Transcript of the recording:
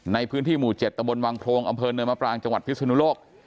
ในพื้นที่หมู่๗ตะบนวังโพรงอำเภอเนินมะปรางจังหวัดพิศนุโลก